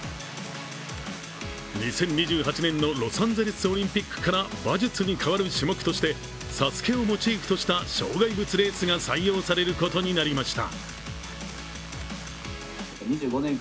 ２０２８年のロサンゼルスオリンピックから馬術に変わる種目として「ＳＡＳＵＫＥ」をモチーフとした障害物レースとして採用されることになりました。